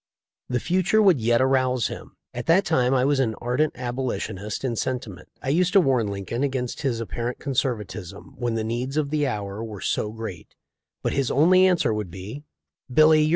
The future would yet arouse him. At that time I was an ardent Abolitionist in senti ment. I used to warn Lincoln against his apparent conservatism when the needs of the hour were so great; but his only answer would be, 'Billy, you're ran away with her in a buggy.